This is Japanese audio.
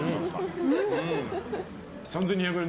３２４０円。